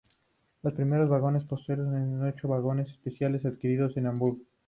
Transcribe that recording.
Los primeros vagones postales eran ocho vagones especiales, adquiridos en Hamburgo.